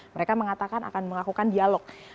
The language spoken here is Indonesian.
mereka mengatakan akan melakukan dialog